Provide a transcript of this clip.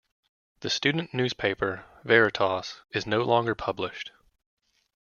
The student newspaper, Veritas, is no longer published.